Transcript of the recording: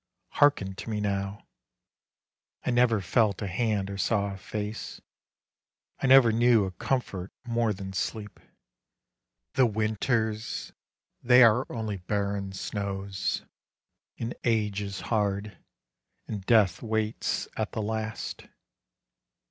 Hearken to me now: I never felt a hand or saw a face, I never knew a comfort more than sleep, The winters they are only barren snows, And age is hard, and death waits at the last.